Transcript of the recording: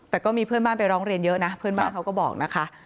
แต่ก็มีเพื่อนบ้านไปร้องเรียนเยอะนะเพื่อนบ้านเขาก็บอกนะคะ